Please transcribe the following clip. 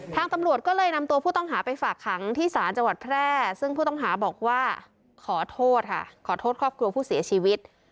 ตำรวจก็เลยนำตัวผู้ต้องหาไปฝากขังที่ศาลจังหวัดแพร่ซึ่งผู้ต้องหาบอกว่าขอโทษค่ะขอโทษครอบครัวผู้เสียชีวิต